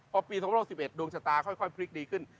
พอปี๒๖๑ดวงชะตาค่อยพลิกดีขึ้น